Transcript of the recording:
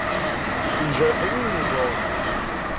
Yejreḥ wul n George.